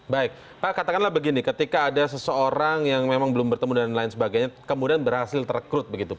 baik pak katakanlah begini ketika ada seseorang yang memang belum bertemu dan lain sebagainya kemudian berhasil terekrut begitu pak